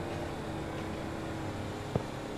এখন তোমার সময় হয়েছে!